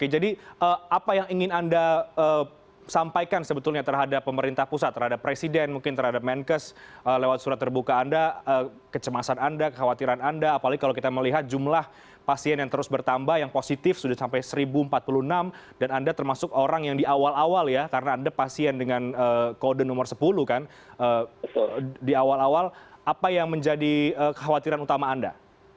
jadi apa yang ingin anda sampaikan sebetulnya terhadap pemerintah pusat terhadap presiden mungkin terhadap menkes lewat surat terbuka anda kecemasan anda kekhawatiran anda apalagi kalau kita melihat jumlah pasien yang terus bertambah yang positif sudah sampai seribu empat puluh enam dan anda termasuk orang yang di awal awal ya karena anda pasien dengan kode nomor sepuluh kan di awal awal apa yang menjadi kekhawatiran utama anda